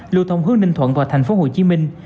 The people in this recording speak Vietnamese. lưu thông hướng ninh thuận vào thành phố hồ chí minh